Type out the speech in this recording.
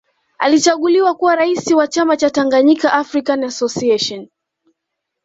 Alichaguliwa kuwa raisi wa chama cha Tanganyika African Association